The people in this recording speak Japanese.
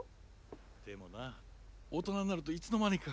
でもな大人になるといつの間にか。